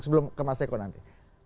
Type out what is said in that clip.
sebelum ke mas eko nanti